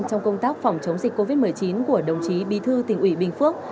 trong công tác phòng chống dịch covid một mươi chín của đồng chí bí thư tỉnh ủy bình phước